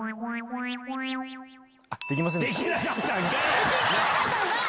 できなかったんかい！